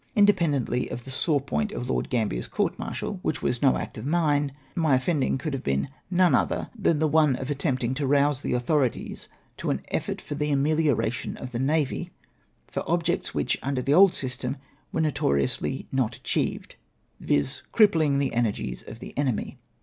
Lidepen dently of the sore point of Lord Gambier's court martial, 266 MINISTERIAL VIEWS. wliicli Avas no act of mine — my offending conkl have been none other than the one of attempting to rouse the authorities to an effort for the amehoration of the navy, for objects whicii under the old system v^ere notoriously not achieved, viz. crippling the energies of the enemy.